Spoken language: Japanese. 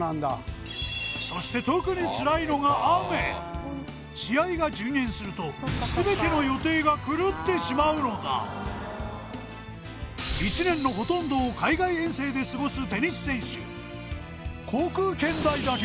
そして特につらいのが雨試合が順延すると全ての予定が狂ってしまうのだ１年のほとんどを海外遠征で過ごすテニス選手